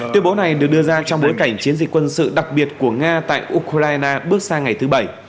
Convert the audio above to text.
tuyên bố này được đưa ra trong bối cảnh chiến dịch quân sự đặc biệt của nga tại ukraine bước sang ngày thứ bảy